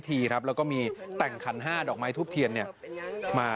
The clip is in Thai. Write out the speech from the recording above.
จ๊ะเทวดาคนหลู่คนแน่